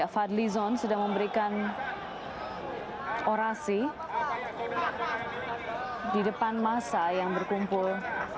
fadli zon sudah memberikan orasi di depan masa yang berkumpul